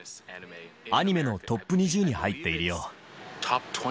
アニメのトップ２０に入っているよ。